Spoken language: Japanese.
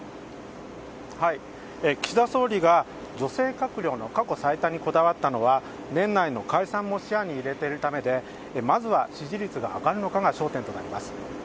岸田総理が女性閣僚の過去最多にこだわったのは年内の解散も視野に入れているためでまずは支持率が上がるのかが焦点となります。